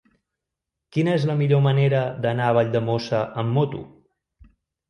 Quina és la millor manera d'anar a Valldemossa amb moto?